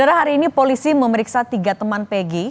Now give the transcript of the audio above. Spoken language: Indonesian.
pada hari ini polisi memeriksa tiga teman pg